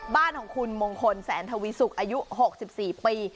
บ้านของคุณมงคลแสนทวีสุกอายุ๖๔ปี